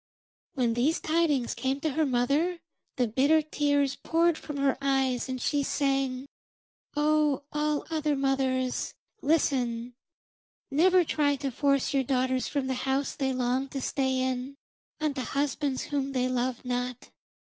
When these tidings came to her mother the bitter tears poured from her eyes, and she sang, 'O all other mothers, listen: never try to force your daughters from the house they long to stay in, unto husbands whom they love not.